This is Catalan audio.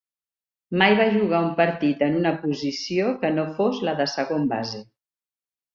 Mai va jugar un partit en una posició que no fos la de segon base.